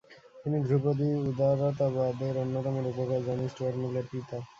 তিনি ধ্রুপদী উদারতাবাদের অন্যতম রূপকার জন স্টুয়ার্ট মিলের পিতা।